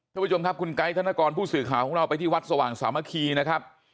ท่านผู้ชมครับคุณไกด์ธนกรผู้สื่อข่าวของเราไปที่วัดสว่างสามัคคีนะครับ